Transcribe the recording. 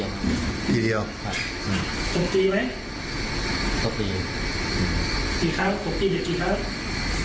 สมตีดีกี่ครั้ง